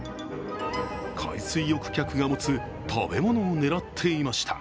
海水浴客が持つ食べ物を狙っていました。